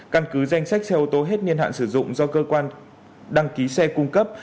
căn cứ danh sách xe ô tô hết niên hạn sử dụng do cơ quan đăng ký xe cung cấp